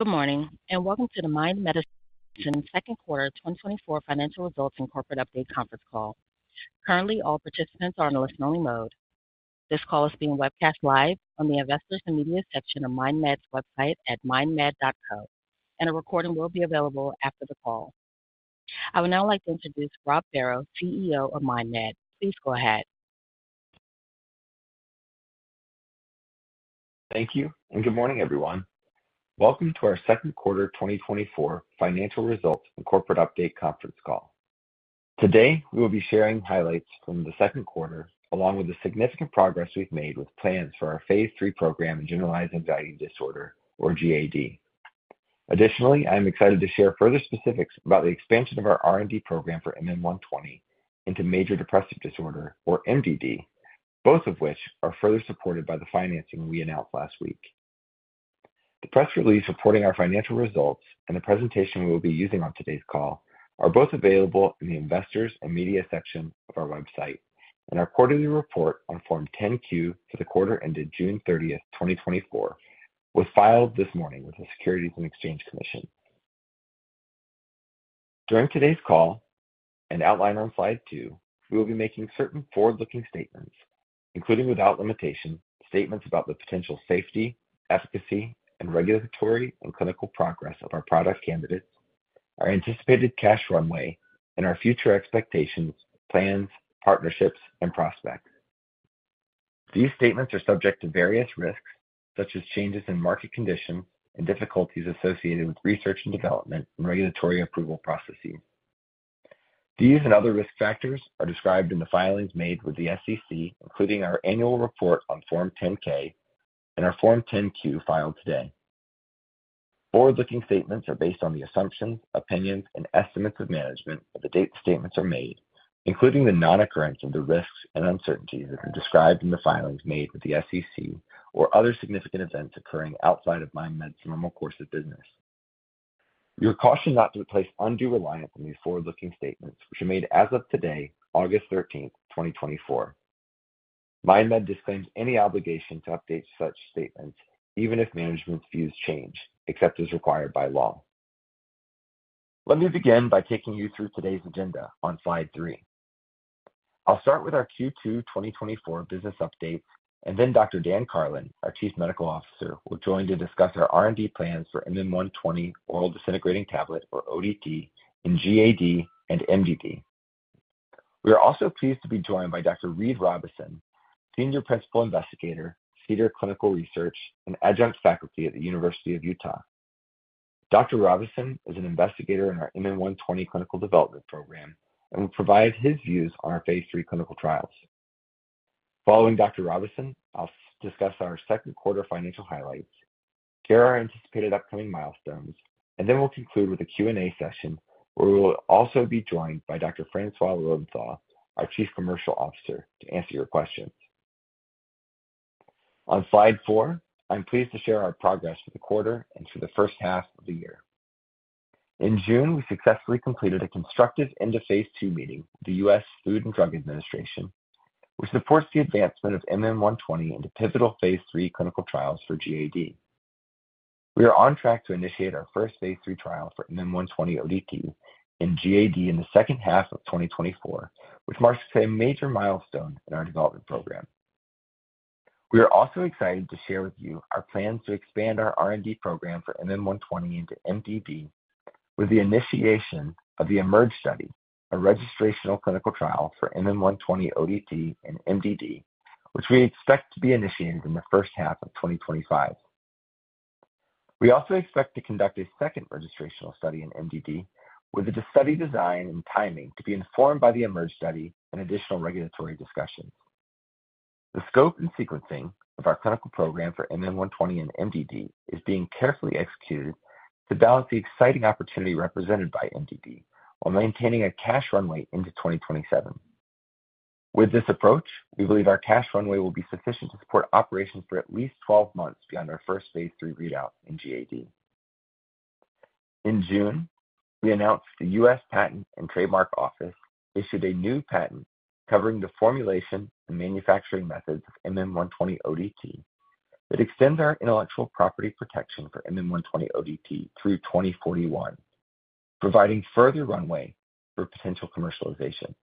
Good morning, and welcome to the Mind Medicine second quarter 2024 financial results and corporate update conference call. Currently, all participants are on listen-only mode. This call is being webcast live on the Investors and Media section of MindMed's website at mindmed.com, and a recording will be available after the call. I would now like to introduce Rob Barrow, CEO of MindMed. Please go ahead. Thank you, and good morning, everyone. Welcome to our second quarter 2024 financial results and corporate update conference call. Today, we will be sharing highlights from the second quarter, along with the significant progress we've made with plans for our Phase III program in generalized anxiety disorder, or GAD. Additionally, I am excited to share further specifics about the expansion of our R&D program for MM120 into major depressive disorder, or MDD, both of which are further supported by the financing we announced last week. The press release reporting our financial results and the presentation we'll be using on today's call are both available in the Investors and Media section of our website, and our quarterly report on Form 10-Q for the quarter ended June 30th, 2024, was filed this morning with the Securities and Exchange Commission. During today's call and outline on slide 2, we will be making certain forward-looking statements, including, without limitation, statements about the potential safety, efficacy, and regulatory and clinical progress of our product candidates, our anticipated cash runway, and our future expectations, plans, partnerships, and prospects. These statements are subject to various risks, such as changes in market conditions and difficulties associated with research and development and regulatory approval processes. These and other risk factors are described in the filings made with the SEC, including our annual report on Form 10-K and our Form 10-Q filed today. Forward-looking statements are based on the assumptions, opinions, and estimates of management at the date the statements are made, including the non-occurrence of the risks and uncertainties that are described in the filings made with the SEC or other significant events occurring outside of MindMed's normal course of business. You are cautioned not to place undue reliance on these forward-looking statements, which are made as of today, August 13, 2024. MindMed disclaims any obligation to update such statements, even if management's views change, except as required by law. Let me begin by taking you through today's agenda on slide three. I'll start with our Q2 2024 business update, and then Dr. Dan Karlin, our Chief Medical Officer, will join to discuss our R&D plans for MM120 oral disintegrating tablet, or ODT, in GAD and MDD. We are also pleased to be joined by Dr. Reid Robison, Senior Principal Investigator, Cedar Clinical Research, and Adjunct Faculty at the University of Utah. Dr. Robison is an investigator in our MM120 clinical development program and will provide his views on our phase III clinical trials. Following Dr. Robison, I'll discuss our second quarter financial highlights, share our anticipated upcoming milestones, and then we'll conclude with a Q&A session, where we will also be joined by Dr. François Lilienthal, our Chief Commercial Officer, to answer your questions. On slide 4, I'm pleased to share our progress for the quarter and for the first half of the year. In June, we successfully completed a constructive end-of-phase II meeting with the U.S. Food and Drug Administration, which supports the advancement of MM120 into pivotal phase III clinical trials for GAD. We are on track to initiate our first phase III trial for MM120 ODT in GAD in the second half of 2024, which marks a major milestone in our development program. We are also excited to share with you our plans to expand our R&D program for MM120 into MDD with the initiation of the EMERGE study, a registrational clinical trial for MM120 ODT and MDD, which we expect to be initiated in the first half of 2025. We also expect to conduct a second registrational study in MDD, with the study design and timing to be informed by the EMERGE study and additional regulatory discussions. The scope and sequencing of our clinical program for MM120 and MDD is being carefully executed to balance the exciting opportunity represented by MDD while maintaining a cash runway into 2027. With this approach, we believe our cash runway will be sufficient to support operations for at least 12 months beyond our first phase III readout in GAD. In June, we announced the U.S. Patent and Trademark Office issued a new patent covering the formulation and manufacturing methods of MM120 ODT that extends our intellectual property protection for MM120 ODT through 2041, providing further runway for potential commercialization.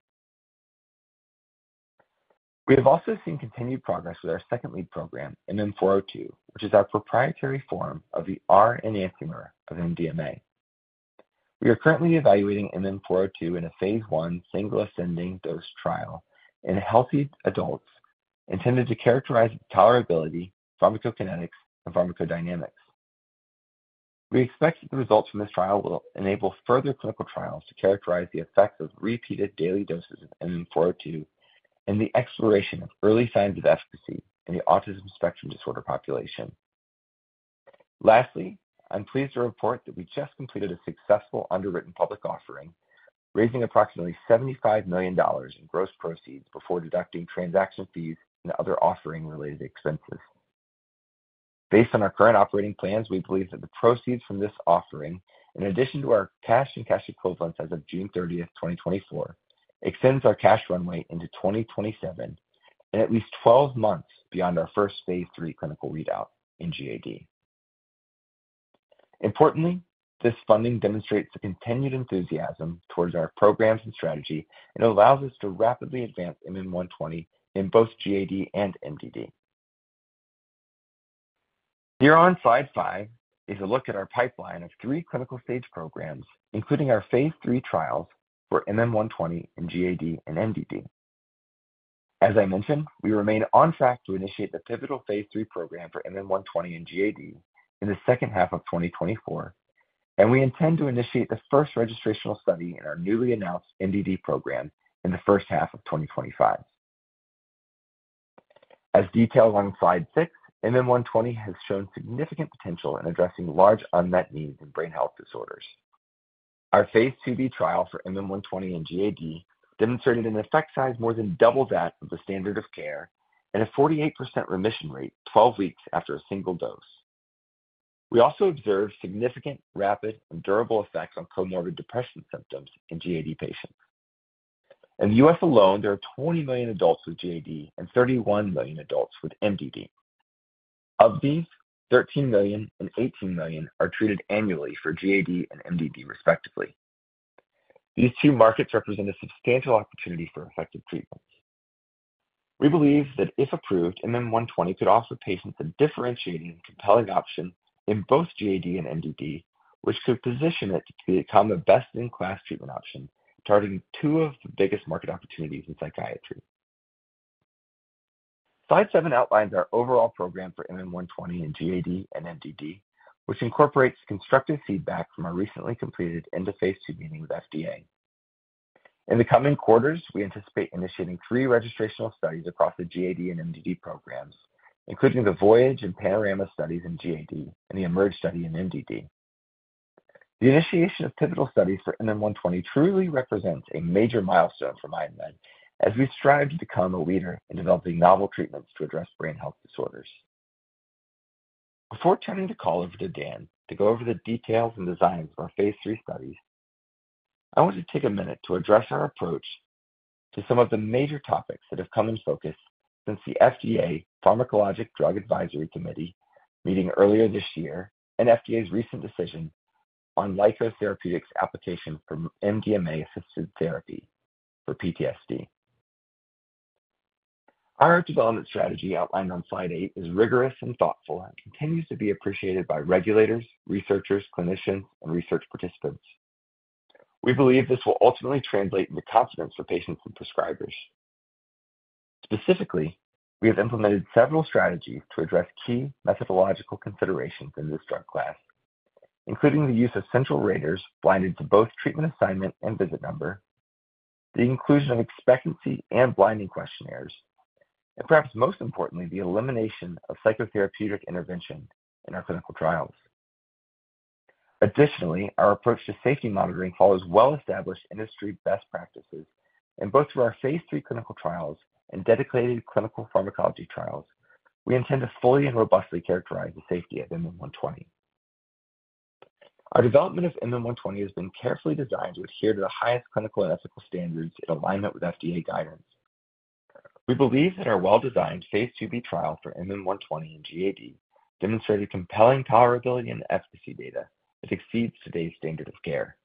We have also seen continued progress with our second lead program, MM402, which is our proprietary form of the R enantiomer of MDMA. We are currently evaluating MM402 in a phase I single ascending dose trial in healthy adults intended to characterize tolerability, pharmacokinetics, and pharmacodynamics. We expect that the results from this trial will enable further clinical trials to characterize the effects of repeated daily doses of MM402 and the exploration of early signs of efficacy in the autism spectrum disorder population. Lastly, I'm pleased to report that we just completed a successful underwritten public offering, raising approximately $75 million in gross proceeds before deducting transaction fees and other offering-related expenses. Based on our current operating plans, we believe that the proceeds from this offering, in addition to our cash and cash equivalents as of June 30th, 2024, extends our cash runway into 2027, and at least 12 months beyond our first phase III clinical readout in GAD. Importantly, this funding demonstrates the continued enthusiasm towards our programs and strategy and allows us to rapidly advance MM120 in both GAD and MDD. Here on slide 5 is a look at our pipeline of 3 clinical-stage programs, including our phase III trials for MM120 in GAD and MDD. As I mentioned, we remain on track to initiate the pivotal Phase III program for MM120 in GAD in the second half of 2024, and we intend to initiate the first registrational study in our newly announced MDD program in the first half of 2025. As detailed on slide 6, MM120 has shown significant potential in addressing large unmet needs in brain health disorders. phase IIb trial for MM120 in GAD demonstrated an effect size more than double that of the standard of care and a 48% remission rate 12 weeks after a single dose. We also observed significant, rapid, and durable effects on comorbid depression symptoms in GAD patients. In the U.S. alone, there are 20 million adults with GAD and 31 million adults with MDD. Of these, 13 million and 18 million are treated annually for GAD and MDD, respectively. These two markets represent a substantial opportunity for effective treatment. We believe that if approved, MM120 could offer patients a differentiating and compelling option in both GAD and MDD, which could position it to become a best-in-class treatment option, targeting two of the biggest market opportunities in psychiatry. Slide 7 outlines our overall program for MM120 in GAD and MDD, which incorporates constructive feedback from our recently completed end-of-phase II meeting with FDA. In the coming quarters, we anticipate initiating three registrational studies across the GAD and MDD programs, including the VOYAGE and PANORAMA studies in GAD and the EMERGE study in MDD. The initiation of pivotal studies for MM120 truly represents a major milestone for MindMed, as we strive to become a leader in developing novel treatments to address brain health disorders. Before turning the call over to Dan to go over the details and designs of our phase III studies, I want to take a minute to address our approach to some of the major topics that have come in focus since the FDA Pharmacologic Drug Advisory Committee meeting earlier this year, and FDA's recent decision on Lykos Therapeutics application for MDMA-assisted therapy for PTSD. Our development strategy, outlined on slide 8, is rigorous and thoughtful and continues to be appreciated by regulators, researchers, clinicians and research participants. We believe this will ultimately translate into confidence for patients and prescribers. Specifically, we have implemented several strategies to address key methodological considerations in this drug class, including the use of central raters blinded to both treatment, assignment, and visit number, the inclusion of expectancy and blinding questionnaires, and perhaps most importantly, the elimination of psychotherapeutic intervention in our clinical trials. Additionally, our approach to safety monitoring follows well-established industry best practices in both of our phase III clinical trials and dedicated clinical pharmacology trials. We intend to fully and robustly characterize the safety of MM120. Our development of MM120 has been carefully designed to adhere to the highest clinical and ethical standards in alignment with FDA guidance. We believe that our phase IIb trial for MM120 in GAD demonstrated compelling tolerability and efficacy data that exceeds today's standard of care.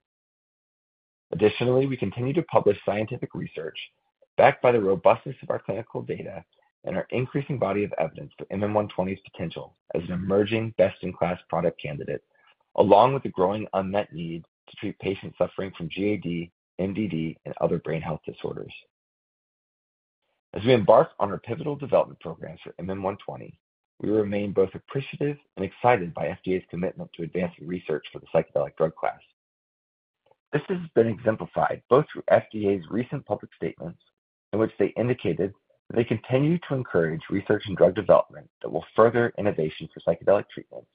Additionally, we continue to publish scientific research backed by the robustness of our clinical data and our increasing body of evidence to MM120's potential as an emerging best-in-class product candidate, along with the growing unmet need to treat patients suffering from GAD, MDD, and other brain health disorders. As we embark on our pivotal development programs for MM120, we remain both appreciative and excited by FDA's commitment to advancing research for the psychedelic drug class. This has been exemplified both through FDA's recent public statements, in which they indicated that they continue to encourage research and drug development that will further innovation for psychedelic treatments.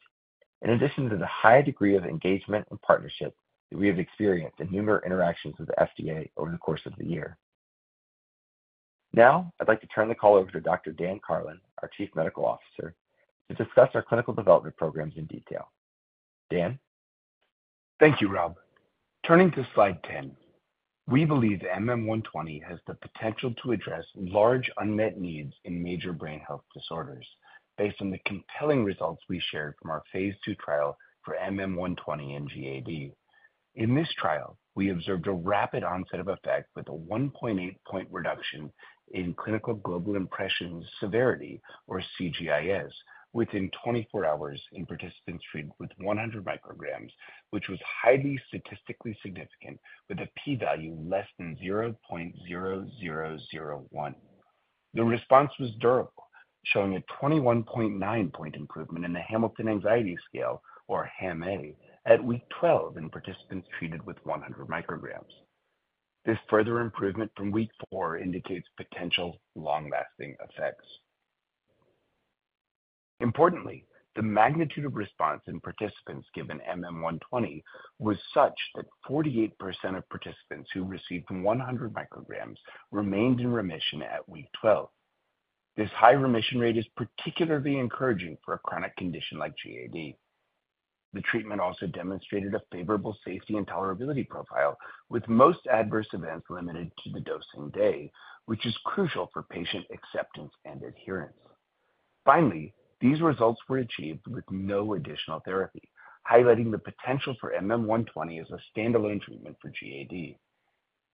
In addition to the high degree of engagement and partnership that we have experienced in numerous interactions with the FDA over the course of the year. Now, I'd like to turn the call over to Dr. Dan Karlin, our Chief Medical Officer, to discuss our clinical development programs in detail. Dan? Thank you, Rob. Turning to slide 10, we believe MM120 has the potential to address large unmet needs in major brain health disorders. Based on the compelling results we shared from our phase II trial for MM120 in GAD. In this trial, we observed a rapid onset of effect with a 1.8-point reduction in Clinical Global Impressions Severity, or CGIS, within 24 hours in participants treated with 100 mcg, which was highly statistically significant, with a P value < 0.0001. The response was durable, showing a 21.9-point improvement in the Hamilton Anxiety Scale, or HAM-A, at week 12 in participants treated with 100 mcg. This further improvement from week 4 indicates potential long-lasting effects. Importantly, the magnitude of response in participants given MM120 was such that 48% of participants who received 100 mcg remained in remission at week 12. This high remission rate is particularly encouraging for a chronic condition like GAD. The treatment also demonstrated a favorable safety and tolerability profile, with most adverse events limited to the dosing day, which is crucial for patient acceptance and adherence. Finally, these results were achieved with no additional therapy, highlighting the potential for MM120 as a standalone treatment for GAD.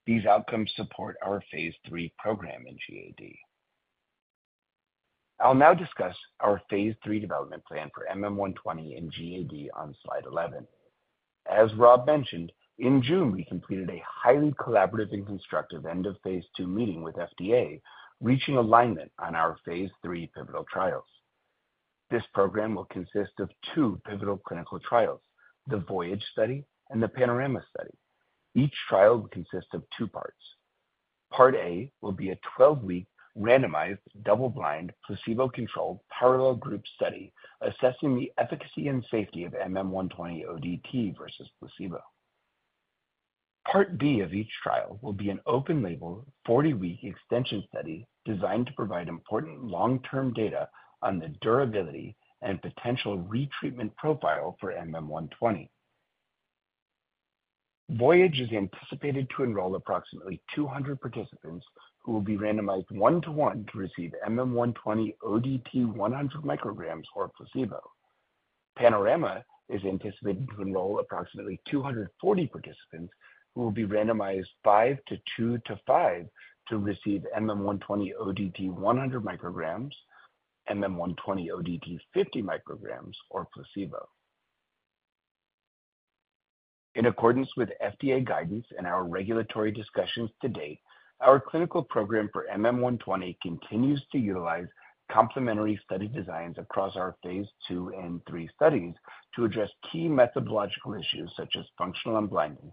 These outcomes support our Phase III program in GAD. I'll now discuss our phase III development plan for MM120 in GAD on slide 11. As Rob mentioned, in June, we completed a highly collaborative and constructive end-of-phase II meeting with FDA, reaching alignment on our phase III pivotal trials. This program will consist of two pivotal clinical trials, the VOYAGE study and the PANORAMA study. Each trial will consist of two parts. Part A will be a 12-week, randomized, doubleblind, placebo-controlled, parallel group study assessing the efficacy and safety of MM120 ODT versus placebo. Part B of each trial will be an open-label, 40-week extension study designed to provide important long-term data on the durability and potential retreatment profile for MM120. VOYAGE is anticipated to enroll approximately 200 participants, who will be randomized 1:1 to receive MM120 ODT 100 mcg or placebo. PANORAMA is anticipated to enroll approximately 240 participants, who will be randomized 5:2:5 to receive MM120 ODT 100 mcg, MM120 ODT 50 mcg, or placebo. In accordance with FDA guidance and our regulatory discussions to date, our clinical program for MM120 continues to utilize complementary study designs across our phase II and III studies to address key methodological issues such as functional unblinding.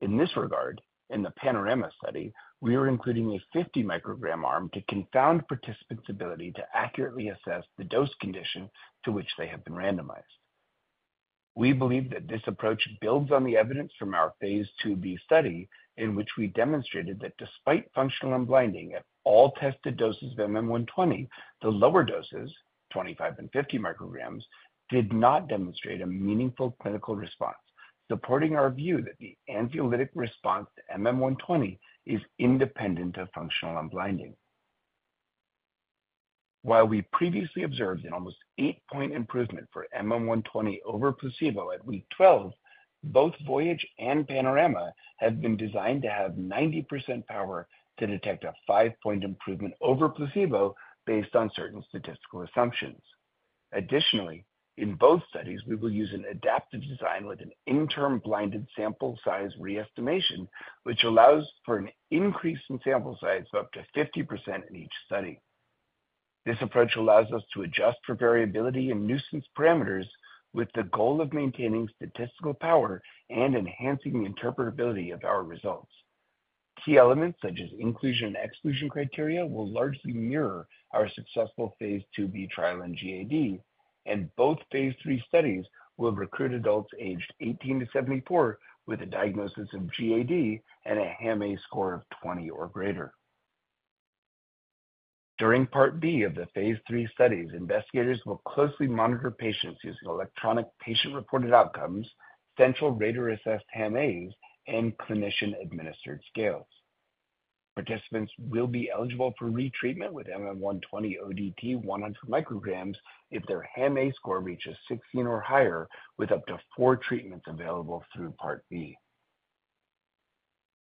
In this regard, in the PANORAMA study, we are including a 50-mcg arm to confound participants' ability to accurately assess the dose condition to which they have been randomized. We believe that this approach builds on the evidence from phase IIb study, in which we demonstrated that despite functional unblinding at all tested doses of MM120, the lower doses, 25 and 50 mcg, did not demonstrate a meaningful clinical response, supporting our view that the anxiolytic response to MM120 is independent of functional unblinding. While we previously observed an almost 8-point improvement for MM120 over placebo at week 12, both VOYAGE and PANORAMA have been designed to have 90% power to detect a 5-point improvement over placebo based on certain statistical assumptions. Additionally, in both studies, we will use an adaptive design with an interim blinded sample size re-estimation, which allows for an increase in sample size of up to 50% in each study. This approach allows us to adjust for variability and nuisance parameters with the goal of maintaining statistical power and enhancing the interpretability of our results. Key elements such as inclusion and exclusion criteria will largely mirror our phase IIb trial in GAD, and both phase III studies will recruit adults aged 18 to 74 with a diagnosis of GAD and a HAM-A score of 20 or greater. During Part B of the phase III studies, investigators will closely monitor patients using electronic patient-reported outcomes, central rater-assessed HAM-A's, and clinician-administered scales. Participants will be eligible for retreatment with MM120 ODT 100 mcg if their HAM-A score reaches 16 or higher, with up to 4 treatments available through Part B.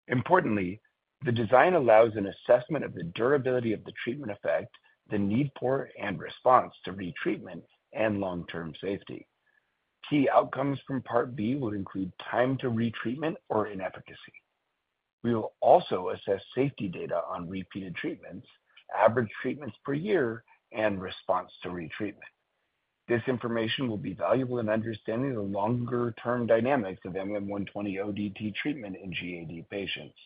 Importantly, the design allows an assessment of the durability of the treatment effect, the need for and response to retreatment, and long-term safety. Key outcomes from Part B will include time to retreatment or inefficacy. We will also assess safety data on repeated treatments, average treatments per year, and response to retreatment. This information will be valuable in understanding the longer-term dynamics of MM120 ODT treatment in GAD patients.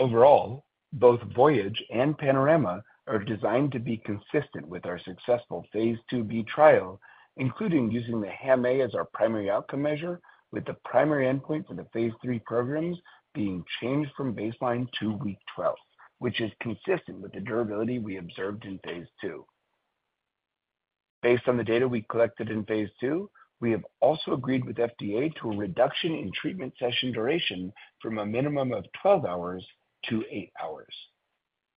Overall, both VOYAGE and PANORAMA are designed to be consistent with our phase IIb trial, including using the HAM-A as our primary outcome measure, with the primary endpoint for the Phase III programs being changed from baseline to week 12, which is consistent with the durability we observed in phase II. Based on the data we collected in phase II, we have also agreed with FDA to a reduction in treatment session duration from a minimum of 12 hours-8 hours.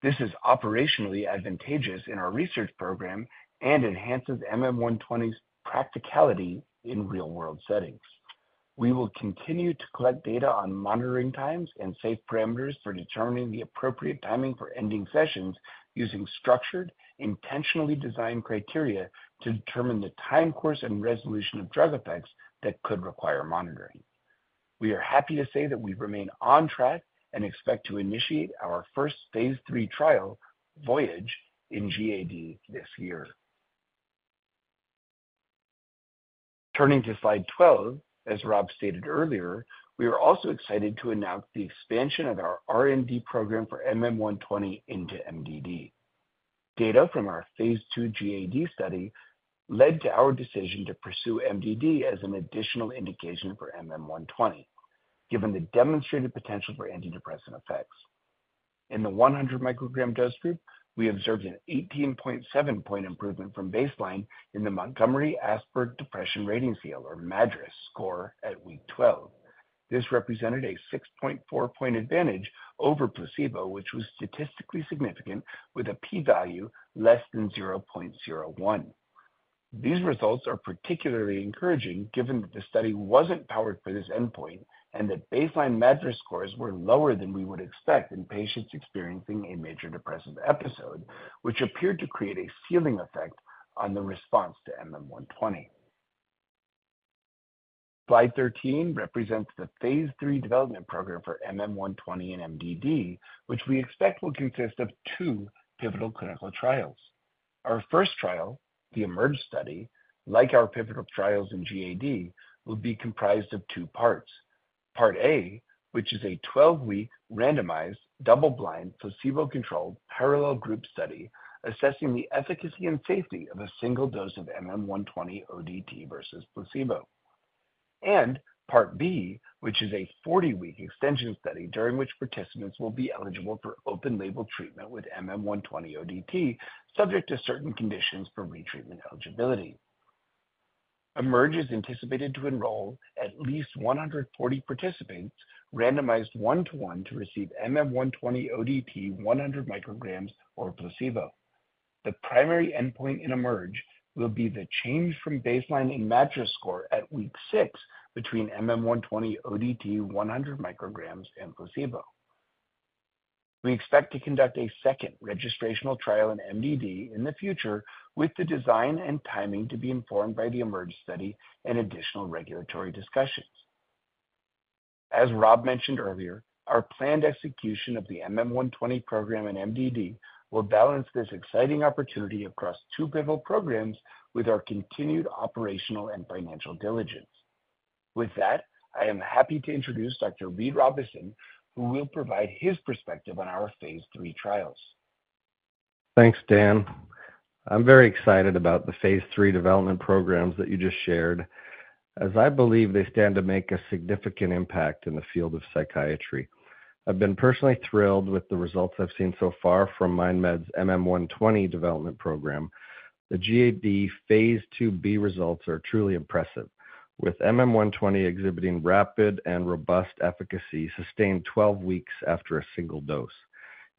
This is operationally advantageous in our research program and enhances MM120's practicality in real-world settings. We will continue to collect data on monitoring times and safe parameters for determining the appropriate timing for ending sessions, using structured, intentionally designed criteria to determine the time course and resolution of drug effects that could require monitoring. We are happy to say that we remain on track and expect to initiate our first phase III trial, VOYAGE, in GAD this year. Turning to slide 12, as Rob stated earlier, we are also excited to announce the expansion of our R&D program for MM120 into MDD. Data from our phase II GAD study led to our decision to pursue MDD as an additional indication for MM120, given the demonstrated potential for antidepressant effects... In the 100 mcg dose group, we observed an 18.7-point improvement from baseline in the Montgomery-Åsberg Depression Rating Scale, or MADRS score, at week 12. This represented a 6.4-point advantage over placebo, which was statistically significant with a P value less than 0.01. These results are particularly encouraging, given that the study wasn't powered for this endpoint and that baseline MADRS scores were lower than we would expect in patients experiencing a major depressive episode, which appeared to create a ceiling effect on the response to mm120. Slide 13 represents the phase III development program for MM120 and MDD, which we expect will consist of two pivotal clinical trials. Our first trial, the EMERGE study, like our pivotal trials in GAD, will be comprised of two parts. Part A, which is a 12-week randomized, doubleblind, placebo-controlled parallel group study, assessing the efficacy and safety of a single dose of MM120 ODT versus placebo. Part B, which is a 40-week extension study during which participants will be eligible for open label treatment with MM120 ODT, subject to certain conditions for retreatment eligibility. EMERGE is anticipated to enroll at least 140 participants, randomized 1:1 to receive MM120 ODT, 100 mcg or placebo. The primary endpoint in EMERGE will be the change from baseline in MADRS score at week 6 between MM120 ODT, 100 mcg and placebo. We expect to conduct a second registrational trial in MDD in the future, with the design and timing to be informed by the EMERGE study and additional regulatory discussions. As Rob mentioned earlier, our planned execution of the MM120 program in MDD will balance this exciting opportunity across two pivotal programs with our continued operational and financial diligence. With that, I am happy to introduce Dr. Reid Robison, who will provide his perspective on our phase III trials. Thanks, Dan. I'm very excited about the phase III development programs that you just shared, as I believe they stand to make a significant impact in the field of psychiatry. I've been personally thrilled with the results I've seen so far from MindMed's MM120 development program. The phase IIb results are truly impressive, with MM120 exhibiting rapid and robust efficacy sustained 12 weeks after a single dose.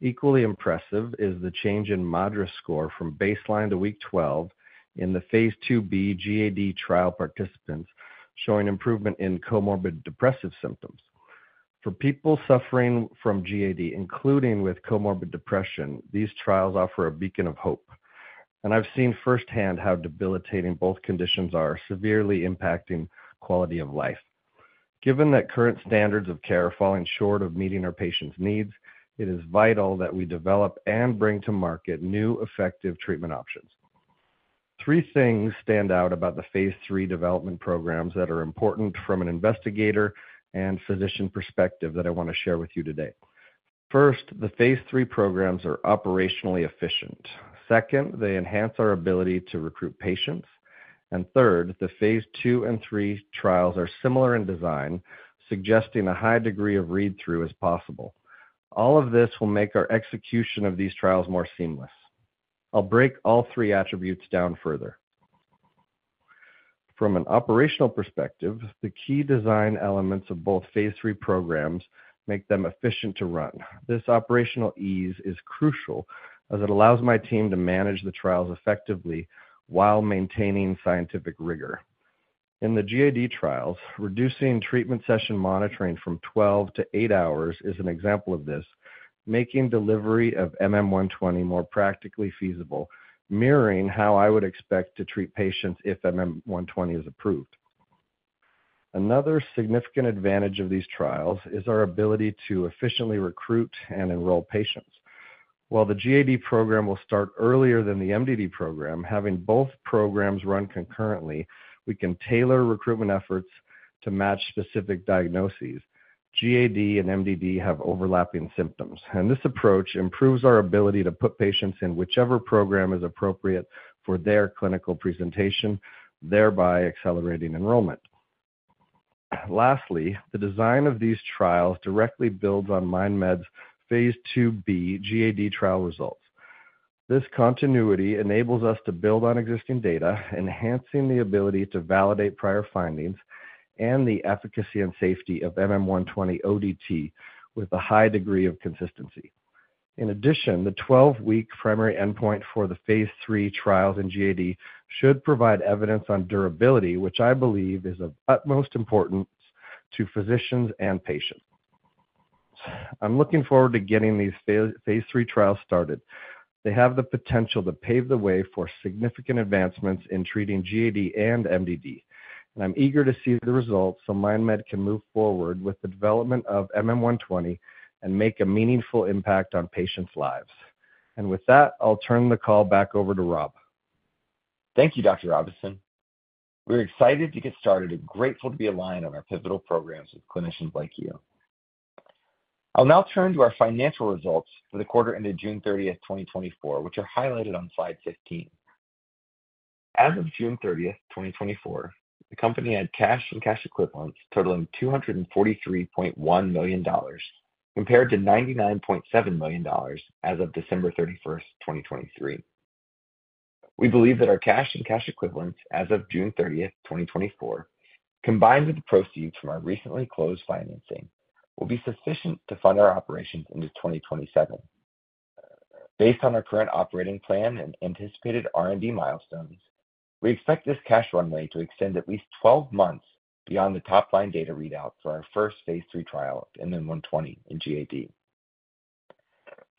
Equally impressive is the change in MADRS score from baseline to week 12 in phase IIb GAD trial, participants showing improvement in comorbid depressive symptoms. For people suffering from GAD, including with comorbid depression, these trials offer a beacon of hope, and I've seen firsthand how debilitating both conditions are, severely impacting quality of life. Given that current standards of care are falling short of meeting our patients' needs, it is vital that we develop and bring to market new, effective treatment options. Three things stand out about the phase III development programs that are important from an investigator and physician perspective that I want to share with you today. First, the Phase III programs are operationally efficient. Second, they enhance our ability to recruit patients. And third, the phase II and 3 trials are similar in design, suggesting a high degree of read-through is possible. All of this will make our execution of these trials more seamless. I'll break all three attributes down further. From an operational perspective, the key design elements of both Phase III programs make them efficient to run. This operational ease is crucial as it allows my team to manage the trials effectively while maintaining scientific rigor. In the GAD trials, reducing treatment session monitoring from 12 to 8 hours is an example of this, making delivery of MM120 more practically feasible, mirroring how I would expect to treat patients if MM120 is approved. Another significant advantage of these trials is our ability to efficiently recruit and enroll patients. While the GAD program will start earlier than the MDD program, having both programs run concurrently, we can tailor recruitment efforts to match specific diagnoses. GAD and MDD have overlapping symptoms, and this approach improves our ability to put patients in whichever program is appropriate for their clinical presentation, thereby accelerating enrollment. Lastly, the design of these trials directly builds on phase IIb GAD trial results. This continuity enables us to build on existing data, enhancing the ability to validate prior findings and the efficacy and safety of MM120 ODT with a high degree of consistency. In addition, the 12-week primary endpoint for the phase III trials in GAD should provide evidence on durability, which I believe is of utmost importance to physicians and patients. I'm looking forward to getting these phase III trials started. They have the potential to pave the way for significant advancements in treating GAD and MDD, and I'm eager to see the results so MindMed can move forward with the development of MM120 and make a meaningful impact on patients' lives. And with that, I'll turn the call back over to Rob. Thank you, Dr. Robison. We're excited to get started and grateful to be aligned on our pivotal programs with clinicians like you. I'll now turn to our financial results for the quarter ended June 30th, 2024, which are highlighted on slide 15. As of June 30th, 2024, the company had cash and cash equivalents totaling $243.1 million, compared to $99.7 million as of December thirty-first, 2023. We believe that our cash and cash equivalents as of June 30th, 2024, combined with the proceeds from our recently closed financing, will be sufficient to fund our operations into 2027. Based on our current operating plan and anticipated R&D milestones, we expect this cash runway to extend at least 12 months beyond the top line data readout for our first phase III trial, MM120 in GAD.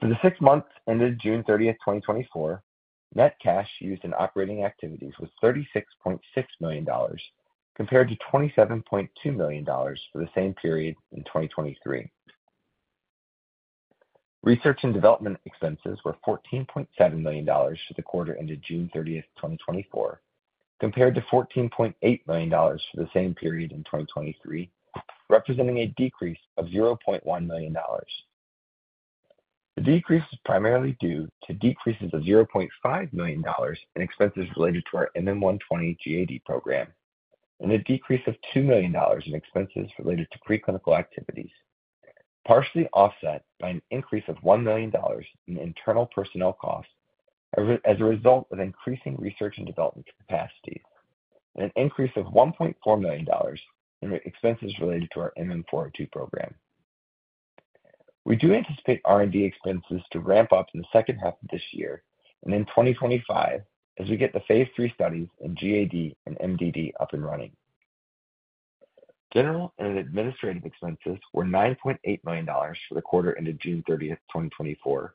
For the six months ended June 30th, 2024, net cash used in operating activities was $36.6 million, compared to $27.2 million for the same period in 2023. Research and development expenses were $14.7 million for the quarter ended June 30th, 2024, compared to $14.8 million for the same period in 2023, representing a decrease of $0.1 million. The decrease is primarily due to decreases of $0.5 million in expenses related to our MM120 GAD program and a decrease of $2 million in expenses related to preclinical activities, partially offset by an increase of $1 million in internal personnel costs as a result of increasing research and development capacity, and an increase of $1.4 million in expenses related to our MM402 program. We do anticipate R&D expenses to ramp up in the second half of this year and in 2025, as we get the phase III studies in GAD and MDD up and running. General and administrative expenses were $9.8 million for the quarter ended June 30th, 2024,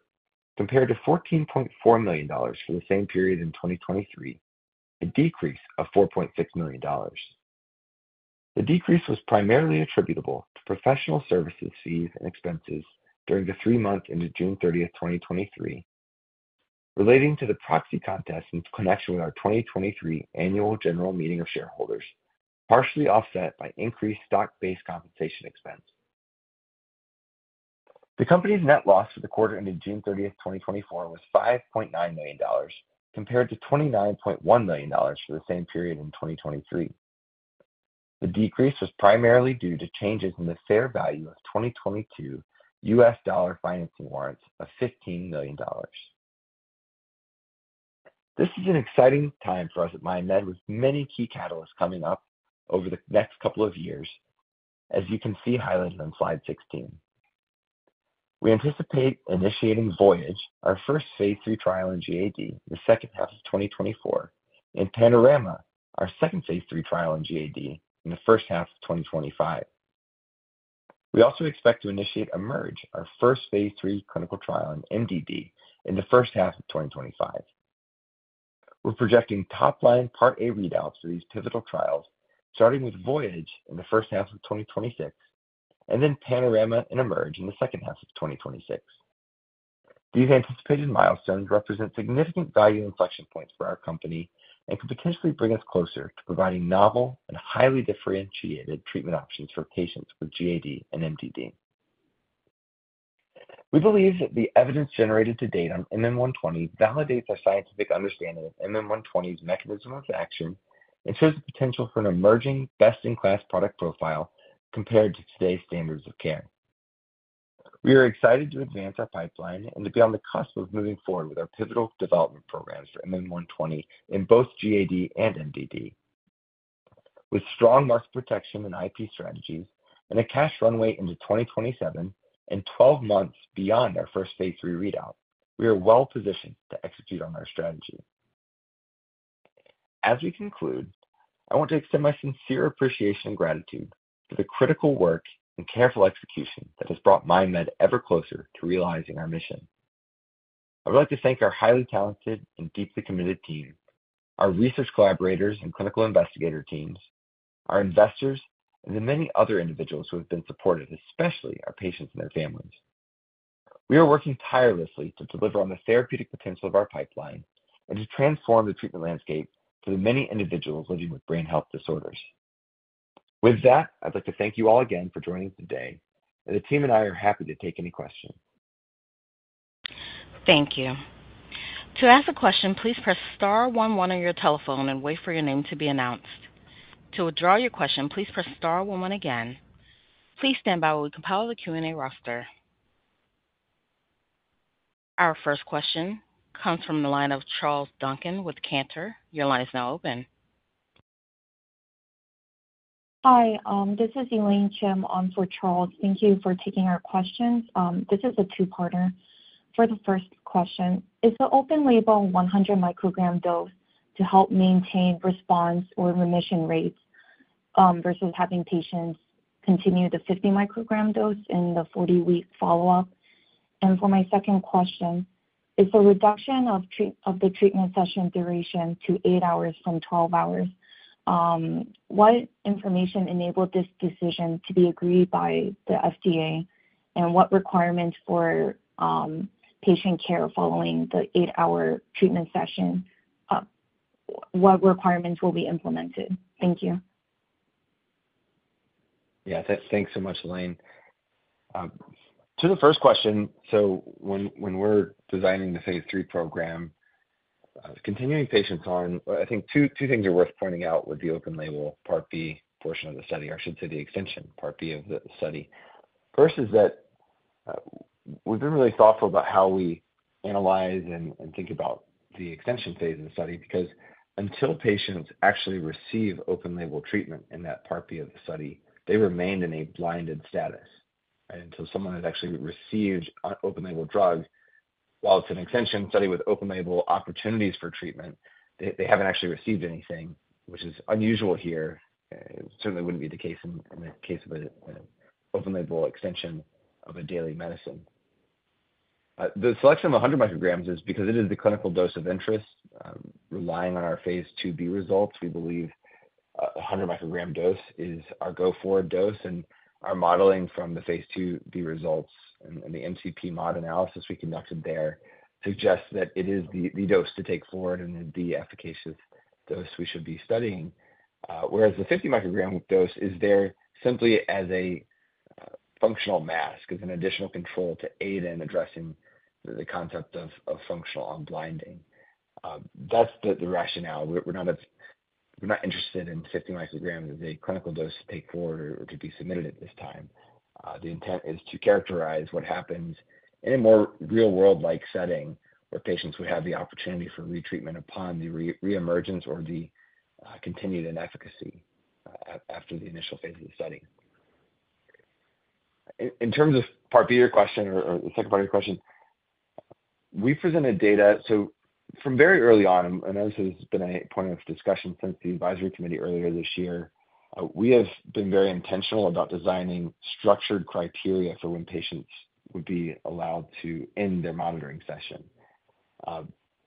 compared to $14.4 million for the same period in 2023, a decrease of $4.6 million. The decrease was primarily attributable to professional services fees and expenses during the three months ended June 30th, 2023, relating to the proxy contest in connection with our 2023 annual general meeting of shareholders, partially offset by increased stockbased compensation expense. The company's net loss for the quarter ended June 30th, 2024, was $5.9 million, compared to $29.1 million for the same period in 2023. The decrease was primarily due to changes in the fair value of 2022 U.S. dollar financing warrants of $15 million. This is an exciting time for us at MindMed, with many key catalysts coming up over the next couple of years, as you can see highlighted on slide 16. We anticipate initiating VOYAGE, our first phase III trial in GAD, in the second half of 2024, and PANORAMA, our second phase III trial in GAD, in the first half of 2025. We also expect to initiate EMERGE, our first phase III clinical trial in MDD, in the first half of 2025. We're projecting top line Part A readouts for these pivotal trials, starting with VOYAGE in the first half of 2026, and then PANORAMA and EMERGE in the second half of 2026. These anticipated milestones represent significant value inflection points for our company and could potentially bring us closer to providing novel and highly differentiated treatment options for patients with GAD and MDD. We believe that the evidence generated to date on MM120 validates our scientific understanding of MM120's mechanism of action and shows the potential for an emerging best-in-class product profile compared to today's standards of care. We are excited to advance our pipeline and to be on the cusp of moving forward with our pivotal development programs for MM120 in both GAD and MDD. With strong market protection and IP strategies and a cash runway into 2027 and 12 months beyond our first phase III readout, we are well positioned to execute on our strategy. As we conclude, I want to extend my sincere appreciation and gratitude for the critical work and careful execution that has brought MindMed ever closer to realizing our mission. I would like to thank our highly talented and deeply committed team, our research collaborators and clinical investigator teams, our investors, and the many other individuals who have been supportive, especially our patients and their families. We are working tirelessly to deliver on the therapeutic potential of our pipeline and to transform the treatment landscape for the many individuals living with brain health disorders. With that, I'd like to thank you all again for joining us today, and the team and I are happy to take any questions. Thank you. To ask a question, please press star one one on your telephone and wait for your name to be announced. To withdraw your question, please press star one one again. Please stand by while we compile the Q&A roster. Our first question comes from the line of Charles Duncan with Cantor. Your line is now open. Hi, this is Elaine Kim, for Charles. Thank you for taking our questions. This is a two-parter. For the first question, is the open label 100 mcg dose to help maintain response or remission rates, versus having patients continue the 50 mcg dose in the 40-week follow-up? And for my second question, is the reduction of treatment session duration to 8 hours from 12 hours, what information enabled this decision to be agreed by the FDA? And what requirements for patient care following the 8-hour treatment session, what requirements will be implemented? Thank you. Yeah, thanks so much, Elaine. To the first question, so when, when we're designing the Phase III program, continuing patients on—I think two, two things are worth pointing out with the open label Part B portion of the study, or I should say the extension, Part B of the study. First is that, we've been really thoughtful about how we analyze and, and think about the extension phase of the study, because until patients actually receive open label treatment in that Part B of the study, they remained in a blinded status. And until someone had actually received, open label drug, while it's an extension study with open label opportunities for treatment, they, they haven't actually received anything, which is unusual here. Certainly wouldn't be the case in, in the case of a, an open label extension of a daily medicine. The selection of 100 mcg is because it is the clinical dose of interest, relying on phase IIb results. We believe a 100 mcg dose is our go forward dose, and our modeling from phase IIb results and the MCP-Mod analysis we conducted there suggests that it is the dose to take forward and the efficacy dose we should be studying. Whereas the 50 mcg dose is there simply as a functional mask, as an additional control to aid in addressing the concept of functional unblinding. That's the rationale. We're not interested in 50 mcg as a clinical dose to take forward or to be submitted at this time. The intent is to characterize what happens in a more real world-like setting, where patients would have the opportunity for retreatment upon the reemergence or the continued inefficacy after the initial phase of the study. In terms of Part B of your question or the second part of your question, we presented data. So from very early on, and I know this has been a point of discussion since the advisory committee earlier this year, we have been very intentional about designing structured criteria for when patients would be allowed to end their monitoring session.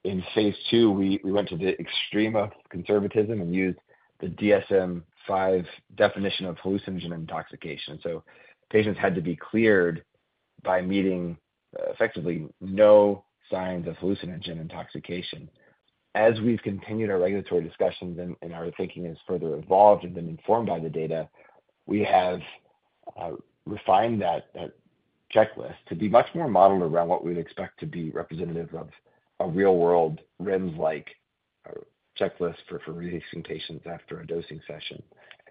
In phase II, we went to the extreme conservatism and used the DSM-5 definition of hallucinogen intoxication. So patients had to be cleared by meeting effectively no signs of hallucinogen intoxication. As we've continued our regulatory discussions and our thinking has further evolved and been informed by the data, we have refined that checklist to be much more modeled around what we'd expect to be representative of a real world, REMS-like checklist for releasing patients after a dosing session.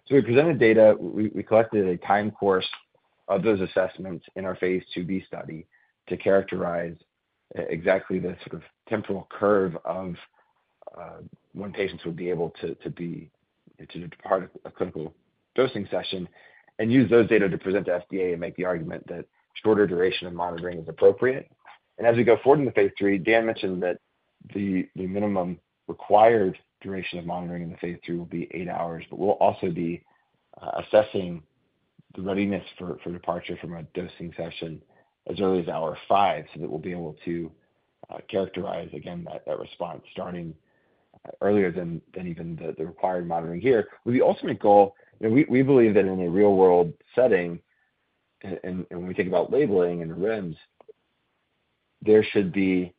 So we presented data. We collected a time course of those assessments in phase IIb study to characterize exactly the sort of temporal curve of when patients would be able to depart a clinical dosing session and use those data to present to FDA and make the argument that shorter duration of monitoring is appropriate. And as we go forward in the phase III, Dan mentioned that the minimum required duration of monitoring in the phase III will be 8 hours. But we'll also be assessing the readiness for departure from a dosing session as early as hour 5, so that we'll be able to characterize again that response starting earlier than even the required monitoring here. With the ultimate goal, and we believe that in a real world setting, and when we think about labeling and REMS, there should be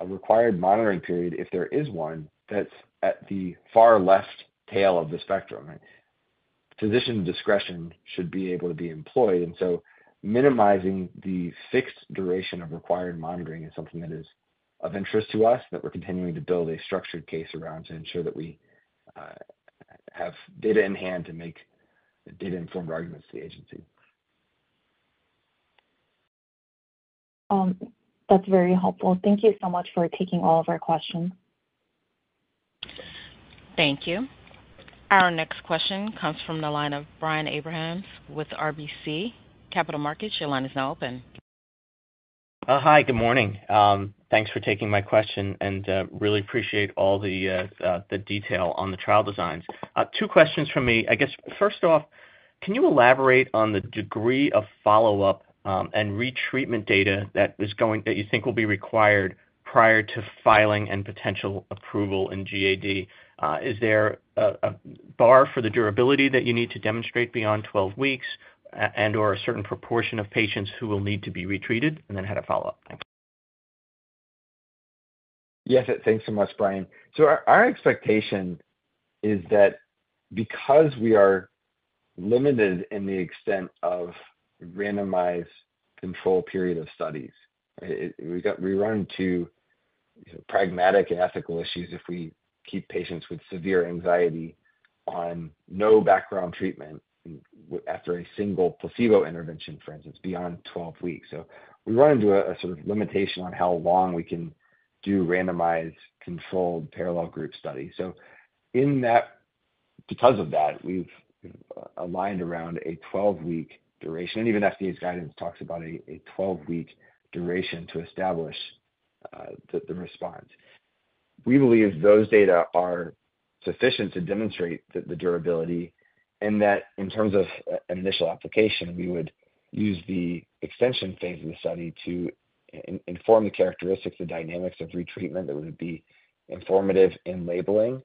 a required monitoring period, if there is one, that's at the far left tail of the spectrum, right? Physician discretion should be able to be employed, and so minimizing the fixed duration of required monitoring is something that is of interest to us, that we're continuing to build a structured case around to ensure that we have data in hand to make data-informed arguments to the agency. That's very helpful. Thank you so much for taking all of our questions. Thank you. Our next question comes from the line of Brian Abrahams with RBC Capital Markets. Your line is now open. Hi, good morning. Thanks for taking my question, and really appreciate all the the detail on the trial designs. Two questions from me. I guess, first off, can you elaborate on the degree of follow-up and retreatment data that you think will be required prior to filing and potential approval in GAD? Is there a bar for the durability that you need to demonstrate beyond 12 weeks, and/or a certain proportion of patients who will need to be retreated? And then I have a follow-up. Thanks. Yes, thanks so much, Brian. So our expectation is that because we are limited in the extent of randomized control period of studies, we run into pragmatic and ethical issues if we keep patients with severe anxiety on no background treatment after a single placebo intervention, for instance, beyond 12 weeks. So we run into a sort of limitation on how long we can do randomized controlled parallel group studies. So because of that, we've aligned around a 12-week duration, and even FDA's guidance talks about a 12-week duration to establish the response. We believe those data are sufficient to demonstrate the durability, and that in terms of initial application, we would use the extension phase of the study to inform the characteristics and dynamics of retreatment that would be informative in labeling.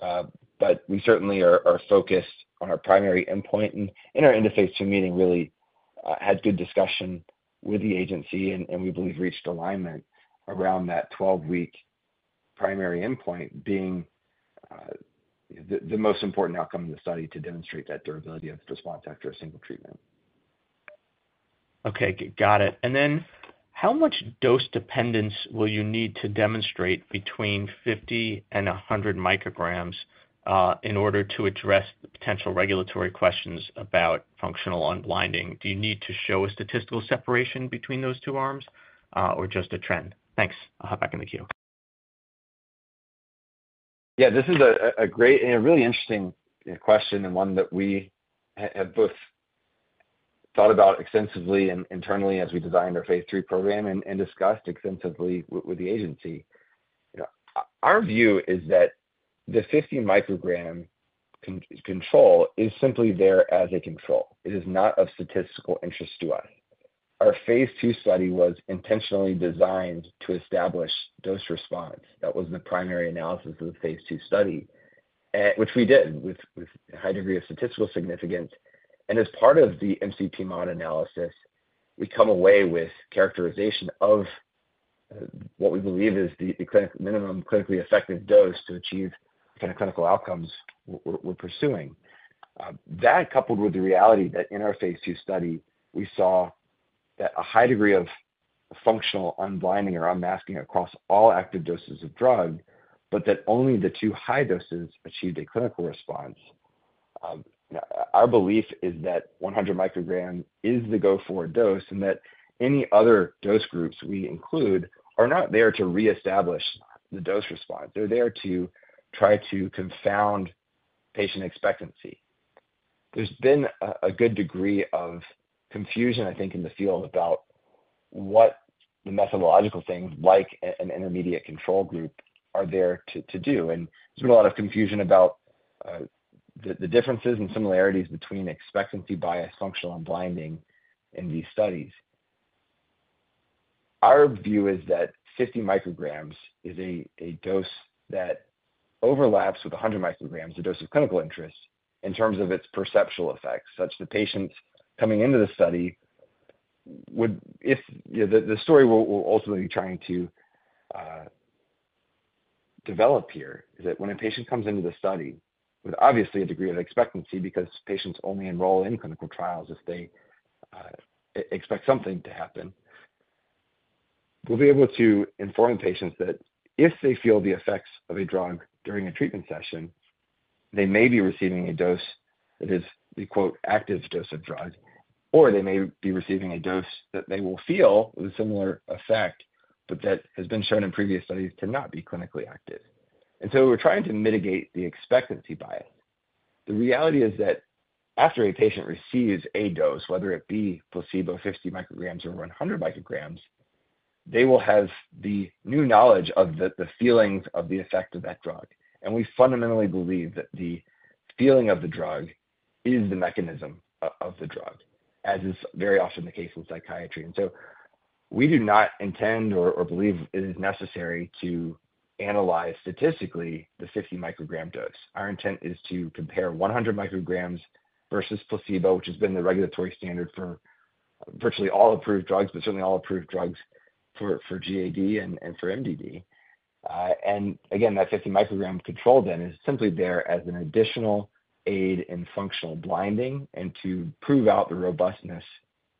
But we certainly are focused on our primary endpoint, and in our end of phase II meeting, really, had good discussion with the agency, and we believe reached alignment around that 12-week primary endpoint being the most important outcome of the study to demonstrate that durability of the response after a single treatment. Okay, got it. And then how much dose dependence will you need to demonstrate between 50 and 100 mcg, in order to address the potential regulatory questions about functional unblinding? Do you need to show a statistical separation between those two arms, or just a trend? Thanks. I'll hop back in the queue. Yeah, this is a great and really interesting question, and one that we have both thought about extensively and internally as we designed our Phase III program and discussed extensively with the agency. You know, our view is that the 50 mcg control is simply there as a control. It is not of statistical interest to us. Our phase II study was intentionally designed to establish dose response. That was the primary analysis of the phase II study, which we did with a high degree of statistical significance. And as part of the MCP-Mod analysis, we come away with characterization of what we believe is the minimum clinically effective dose to achieve the clinical outcomes we're pursuing. That coupled with the reality that in our phase II study, we saw that a high degree of functional unblinding or unmasking across all active doses of drug, but that only the 2 high doses achieved a clinical response. Our belief is that 100 mcg is the go forward dose, and that any other dose groups we include are not there to reestablish the dose response. They're there to try to confound patient expectancy. There's been a good degree of confusion, I think, in the field about what the methodological things like an intermediate control group are there to do. And there's been a lot of confusion about the differences and similarities between expectancy bias, functional unblinding in these studies. Our view is that 50 mcg is a dose that overlaps with 100 mcg, the dose of clinical interest, in terms of its perceptual effects, such that patients coming into the study would... If, you know, the story we're ultimately trying to develop here is that when a patient comes into the study with obviously a degree of expectancy, because patients only enroll in clinical trials if they expect something to happen, we'll be able to inform patients that if they feel the effects of a drug during a treatment session, they may be receiving a dose that is the quote, "active dose of drug", or they may be receiving a dose that they will feel with a similar effect, but that has been shown in previous studies to not be clinically active. And so we're trying to mitigate the expectancy bias. The reality is that after a patient receives a dose, whether it be placebo, 50 mcg or 100 mcg, they will have the new knowledge of the feelings of the effect of that drug. We fundamentally believe that the feeling of the drug is the mechanism of the drug, as is very often the case with psychiatry. So we do not intend or believe it is necessary to analyze statistically the 50 mcg dose. Our intent is to compare 100 mcg versus placebo, which has been the regulatory standard for virtually all approved drugs, but certainly all approved drugs for GAD and for MDD. And again, that 50 mcg control then is simply there as an additional aid in functional blinding and to prove out the robustness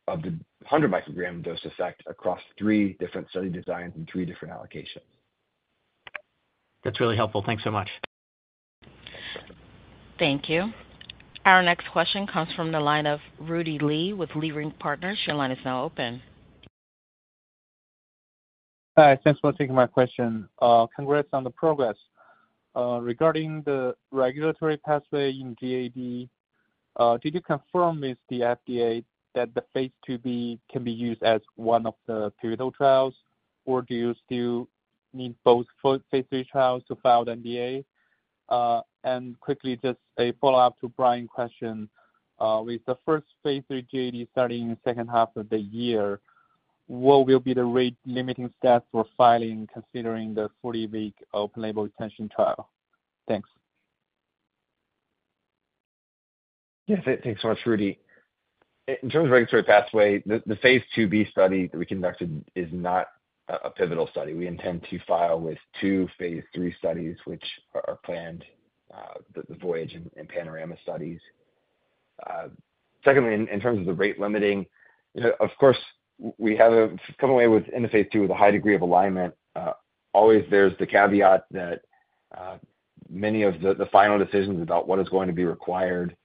of the 100 mcg dose effect across three different study designs and three different allocations. That's really helpful. Thanks so much. Thank you. Our next question comes from the line of Rudy Li with Leerink Partners. Your line is now open. Hi, thanks for taking my question. Congrats on the progress. Regarding the regulatory pathway in GAD, did you confirm with the FDA that the phase IIb can be used as one of the pivotal trials, or do you still need both Phase III trials to file the NDA? And quickly, just a follow-up to Brian's question. With the first Phase III GAD starting in the second half of the year, what will be the rate limiting steps for filing, considering the 40-week open label extension trial? Thanks. Yes, thanks so much, Rudy. In terms of regulatory pathway, the phase IIb study that we conducted is not a pivotal study. We intend to file with two phase III studies, which are planned, the VOYAGE and PANORAMA studies. Secondly, in terms of the rate-limiting, you know, of course, we have come away with in the phase II with a high degree of alignment. Always there's the caveat that many of the final decisions about what is going to be required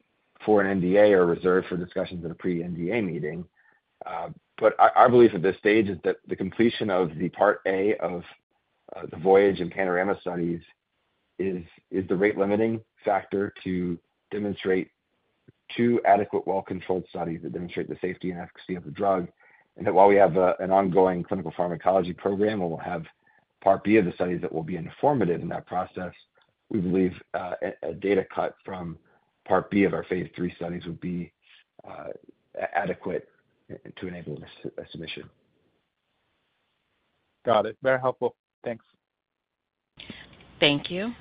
for an NDA are reserved for discussions at a pre-NDA meeting. But our belief at this stage is that the completion of the part A of the VOYAGE and PANORAMA studies is the rate-limiting factor to demonstrate two adequate, well-controlled studies that demonstrate the safety and efficacy of the drug. That while we have an ongoing clinical pharmacology program, where we'll have part B of the studies that will be informative in that process, we believe a data cut from part B of our phase III studies would be adequate to enable a submission. Got it. Very helpful. Thanks. Thank you.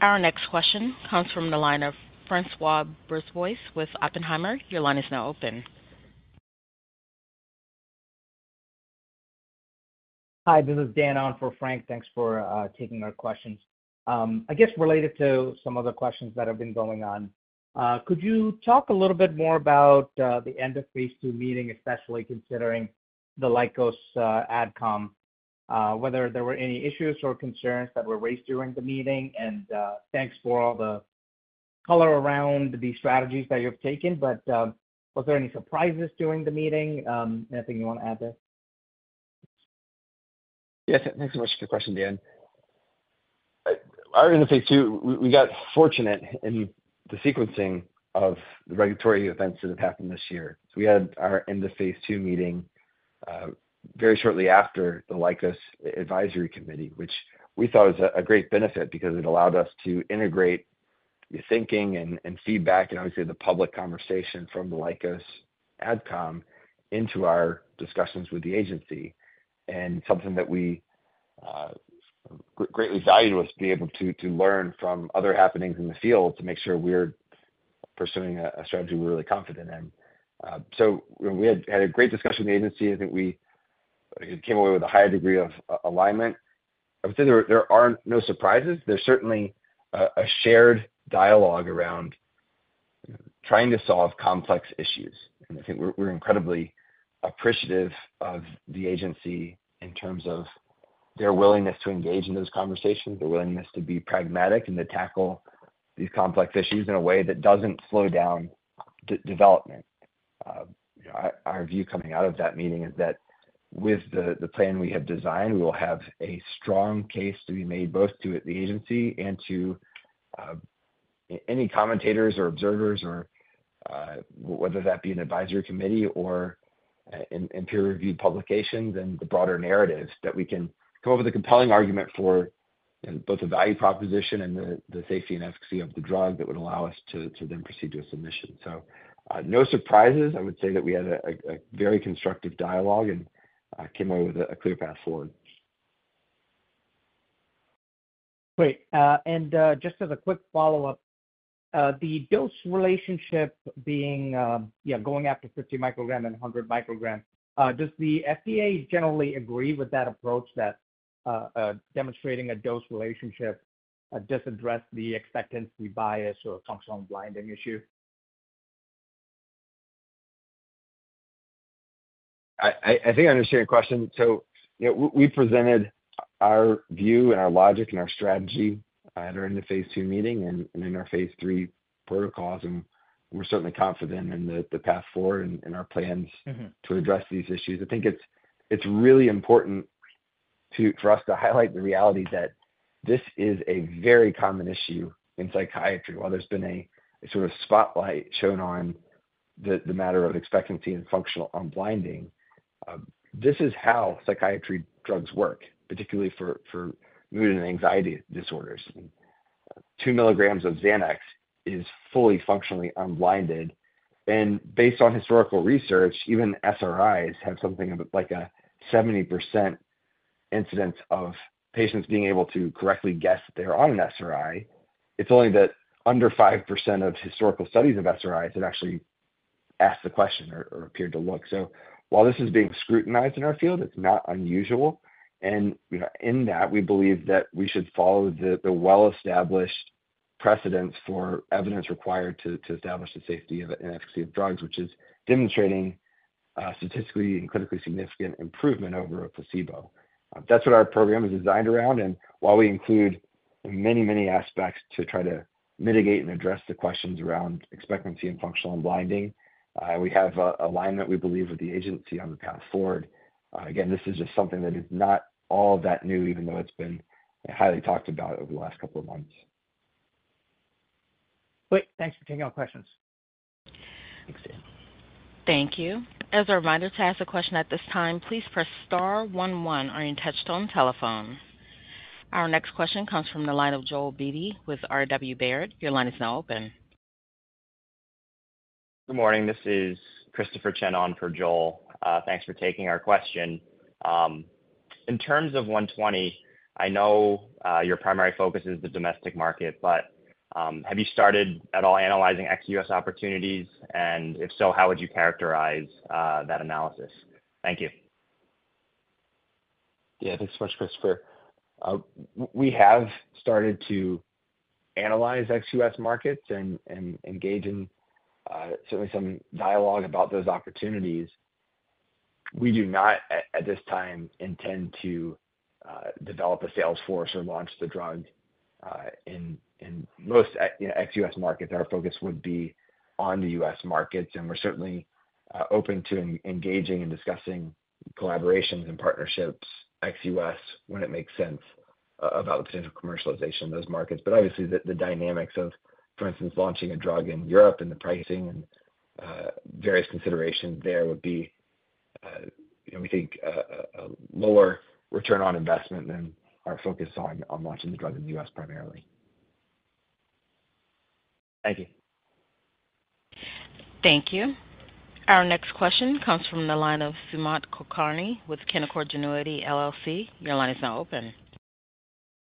Our next question comes from the line of François Brisebois with Oppenheimer. Your line is now open. Hi, this is Dan on for Frank. Thanks for taking our questions. I guess related to some of the questions that have been going on, could you talk a little bit more about the end of phase II meeting, especially considering the Lykos adcom, whether there were any issues or concerns that were raised during the meeting? And thanks for all the color around the strategies that you've taken, but was there any surprises during the meeting? Anything you want to add there? Yes, thanks so much for the question, Dan. Our end-of-phase II, we got fortunate in the sequencing of the regulatory events that have happened this year. So we had our end-of-phase II meeting very shortly after the Lykos advisory committee, which we thought was a great benefit because it allowed us to integrate the thinking and feedback and obviously the public conversation from the Lykos adcom into our discussions with the agency. And something that we greatly valued was to be able to learn from other happenings in the field to make sure we're pursuing a strategy we're really confident in. So we had a great discussion with the agency. I think we came away with a higher degree of alignment. I would say there aren't no surprises. There's certainly a shared dialogue around trying to solve complex issues, and I think we're incredibly appreciative of the agency in terms of their willingness to engage in those conversations, their willingness to be pragmatic and to tackle these complex issues in a way that doesn't slow down development. You know, our view coming out of that meeting is that with the plan we have designed, we will have a strong case to be made, both to the agency and to any commentators or observers or whether that be an advisory committee or in peer-reviewed publications and the broader narratives, that we can come up with a compelling argument for both the value proposition and the safety and efficacy of the drug that would allow us to then proceed to a submission. So, no surprises. I would say that we had a very constructive dialogue and came away with a clear path forward. Great. Just as a quick follow-up, the dose relationship being, yeah, going after 50 mcg and 100 mcg, does the FDA generally agree with that approach that, demonstrating a dose relationship, does address the expectancy bias or functional blinding issue? I think I understand your question. So, you know, we presented our view and our logic and our strategy at our end-of-phase II meeting and in our phase III protocols, and we're certainly confident in the path forward and our plans- Mm-hmm. To address these issues. I think it's really important for us to highlight the reality that this is a very common issue in psychiatry. While there's been a sort of spotlight shone on the matter of expectancy and functional unblinding, this is how psychiatry drugs work, particularly for mood and anxiety disorders. 2 mg of Xanax is fully functionally unblinded, and based on historical research, even SRIs have something of like a 70% incidence of patients being able to correctly guess they're on an SRI. It's only that under 5% of historical studies of SRIs have actually asked the question or appeared to look. So while this is being scrutinized in our field, it's not unusual. You know, in that, we believe that we should follow the well-established precedents for evidence required to establish the safety and efficacy of drugs, which is demonstrating statistically and clinically significant improvement over a placebo. That's what our program is designed around. And while we include many, many aspects to try to mitigate and address the questions around expectancy and functional unblinding, we have an alignment, we believe, with the agency on the path forward. Again, this is just something that is not all that new, even though it's been highly talked about over the last couple of months. Great. Thanks for taking our questions. Thanks, Dan. Thank you. As a reminder, to ask a question at this time, please press star one one on your touch-tone telephone. Our next question comes from the line of Joel Beatty with RW Baird. Your line is now open. Good morning. This is Christopher Chen on for Joel. Thanks for taking our question. In terms of 120, I know your primary focus is the domestic market, but have you started at all analyzing ex-U.S. opportunities? And if so, how would you characterize that analysis? Thank you. Yeah, thanks so much, Christopher. We have started to analyze ex-U.S. markets and engage in certainly some dialogue about those opportunities. We do not, at this time, intend to develop a sales force or launch the drug in most ex-U.S. markets. Our focus would be on the U.S. markets, and we're certainly open to engaging and discussing collaborations and partnerships, ex-U.S., when it makes sense, about the potential commercialization of those markets. But obviously, the dynamics of, for instance, launching a drug in Europe and the pricing and various considerations there would be, you know, we think, a lower return on investment than our focus on launching the drug in the U.S. primarily. Thank you. Thank you. Our next question comes from the line of Sumant Kulkarni with Canaccord Genuity LLC. Your line is now open.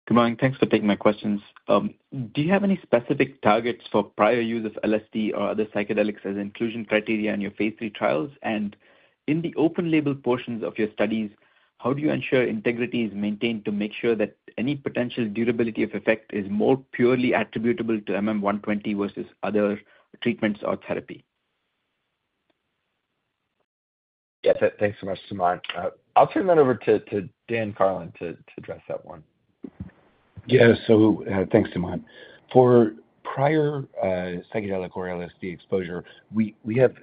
Good morning. Thanks for taking my questions. Do you have any specific targets for prior use of LSD or other psychedelics as inclusion criteria in your phase III trials? And in the open label portions of your studies, how do you ensure integrity is maintained to make sure that any potential durability of effect is more purely attributable to MM120 versus other treatments or therapy? Yes, thanks so much, Sumant. I'll turn that over to Dan Karlin to address that one. Yeah, so, thanks, Sumant. For prior psychedelic or LSD exposure, we have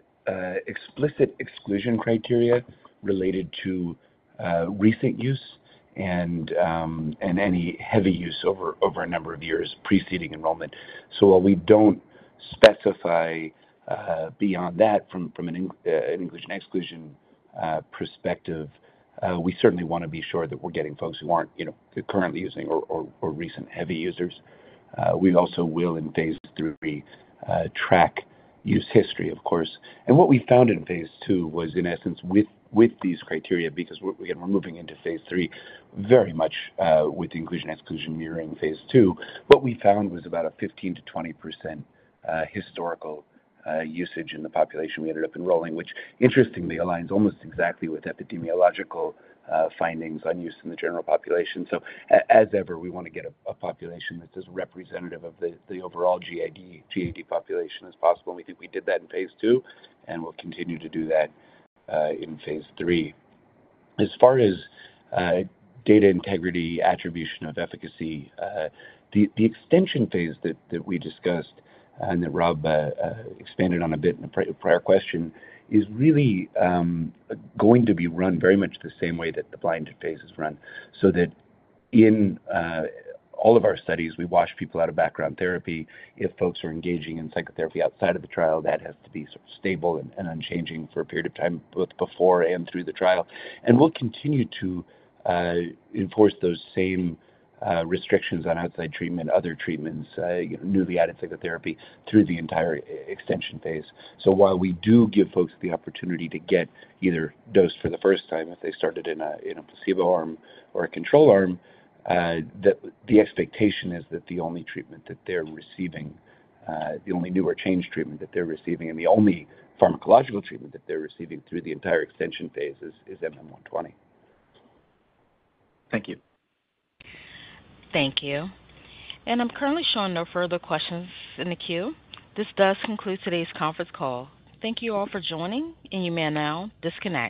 explicit exclusion criteria related to recent use and any heavy use over a number of years preceding enrollment. So while we don't specify beyond that from an inclusion, exclusion perspective, we certainly wanna be sure that we're getting folks who aren't, you know, currently using or recent heavy users. We also will, in phase III, track use history, of course. And what we found in phase II was, in essence, with these criteria, because we're, again, moving into phase III very much with the inclusion, exclusion mirroring phase II. What we found was about a 15%-20% historical usage in the population we ended up enrolling, which interestingly aligns almost exactly with epidemiological findings on use in the general population. So as ever, we wanna get a population that's as representative of the overall GAD population as possible. And we think we did that in phase II, and we'll continue to do that in phase III. As far as data integrity, attribution of efficacy, the extension phase that we discussed and that Rob expanded on a bit in a prior question, is really going to be run very much the same way that the blinded phase is run. So that in all of our studies, we wash people out of background therapy. If folks are engaging in psychotherapy outside of the trial, that has to be stable and unchanging for a period of time, both before and through the trial. We'll continue to enforce those same restrictions on outside treatment, other treatments, newly added psychotherapy through the entire extension phase. So while we do give folks the opportunity to get either dosed for the first time, if they started in a placebo arm or a control arm, the expectation is that the only treatment that they're receiving, the only new or changed treatment that they're receiving, and the only pharmacological treatment that they're receiving through the entire extension phase is MM120. Thank you. Thank you. I'm currently showing no further questions in the queue. This does conclude today's conference call. Thank you all for joining, and you may now disconnect.